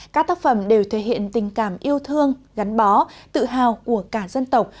các tác phẩm đều thể hiện tình cảm yêu thương gắn bó tự hào của cả dân tộc